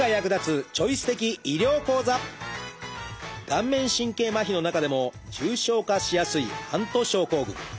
顔面神経麻痺の中でも重症化しやすいハント症候群。